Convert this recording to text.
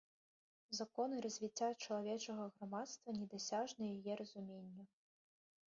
Законы развіцця чалавечага грамадства недасяжны яе разуменню.